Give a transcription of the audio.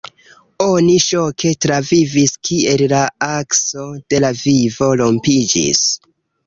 Oni ŝoke travivis kiel la akso de la vivo rompiĝis.